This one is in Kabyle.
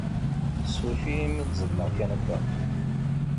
Ssuref-iyi imi d-ẓedmeɣ kan akka.